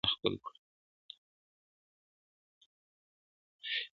په يوه جـادو دي زمـــوږ زړونه خپل كړي.